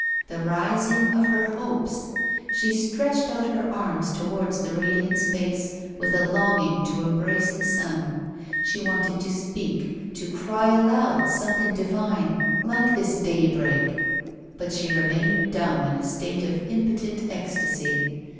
the rising of her hopes ! She stretched out her arms towards the radiant space, with a longing to embrace the sun; she wanted to speak, to cry aloud something divine A WOMAN'S LIFE. 19 like this day break ; but she remained dumb in a state of impotent ecstasy.